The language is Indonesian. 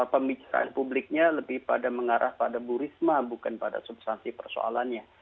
pembicaraan publiknya lebih pada mengarah pada bu risma bukan pada substansi persoalannya